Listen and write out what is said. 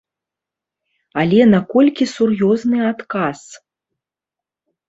Але наколькі сур'ёзны адказ?